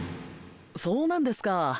そうなんですか！